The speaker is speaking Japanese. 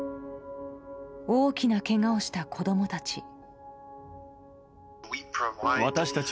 大きなけがをした子供たち。